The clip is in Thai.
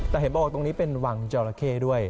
แต่เห็นบอกว่าตรงนี้เป็นวังจอราเข้ด้วย